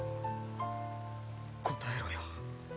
答えろよ。